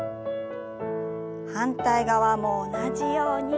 反対側も同じように。